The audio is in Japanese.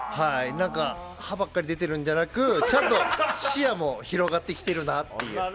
歯ばっかり出てるんじゃなくて、視野も広がってきているなって。